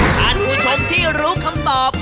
ท่านผู้ชมที่รู้คำตอบ